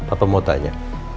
apa mau tanya